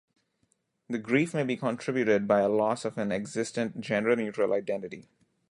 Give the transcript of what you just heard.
The grief may be contributed by a loss of an existent gender-neutral identity.